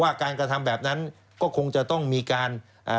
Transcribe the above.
การกระทำแบบนั้นก็คงจะต้องมีการ